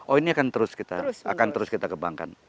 oh ini akan terus kita akan terus kita kembangkan